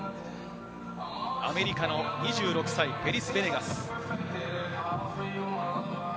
アメリカの２６歳、ペリス・ベネガス。